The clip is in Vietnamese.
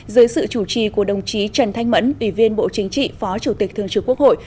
dưới sự chủ trì của đồng chí trần thanh mẫn ủy viên bộ chính trị phó chủ tịch thường trực quốc hội